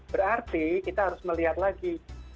berarti kita harus melihat lagi